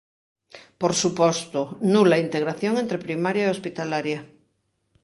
Por suposto, nula integración entre primaria e hospitalaria.